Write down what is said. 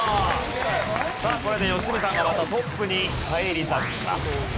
さあこれで良純さんがまたトップに返り咲きます。